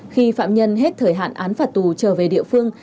khi phạm nhân hết thời hạn án phạt tù trở về địa phương